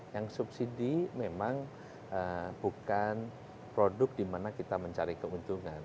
yang subsidi memang bukan produk dimana kita mencari keuntungan